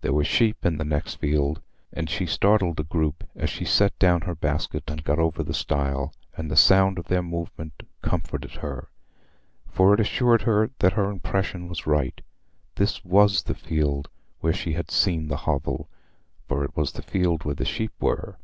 There were sheep in the next field, and she startled a group as she set down her basket and got over the stile; and the sound of their movement comforted her, for it assured her that her impression was right—this was the field where she had seen the hovel, for it was the field where the sheep were.